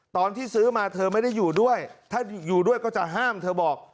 ตอนที่ซื้อมาเธอไม่ได้อยู่ด้วยถ้าอยู่ด้วยก็จะห้ามเธอบอก